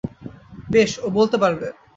বেশ, ও বলতে পারবে।